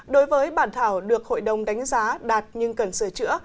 đối với bản thảo được hội đồng đánh giá đạt nhưng cần sửa chữa